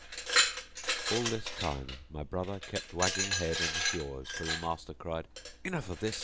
All this time my brother kept wagging head and jaws till the master cried, "Enough of this.